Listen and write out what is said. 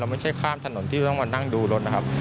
ไม่ใช่ข้ามถนนที่ต้องมานั่งดูรถนะครับ